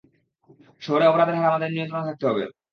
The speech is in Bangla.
শহরে অপরাধের হার আমাদের নিয়ন্ত্রণে থাকতে হবে।